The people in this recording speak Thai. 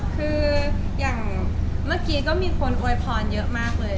คือเมื่อกี้มีคนโวยพรเยอะมากเลย